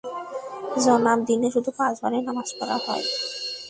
জনাব, দিনে শুধু পাঁচবারই নামাজ পড়া হয়।